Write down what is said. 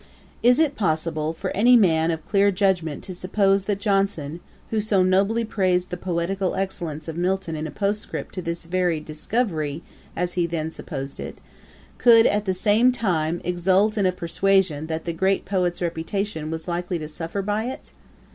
Is it possible for any man of clear judgement to suppose that Johnson, who so nobly praised the poetical excellence of Milton in a Postscript to this very 'discovery,' as he then supposed it, could, at the same time, exult in a persuasion that the great poet's reputation was likely to suffer by it?